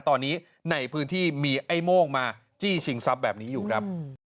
ตอนนี้ในพื้นที่มีไอ้โม่งมาจี้ชิงทรัพย์แบบนี้อยู่ครับ